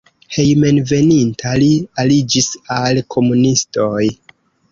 Hejmenveninta li aliĝis al komunistoj.